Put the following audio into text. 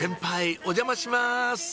お邪魔します！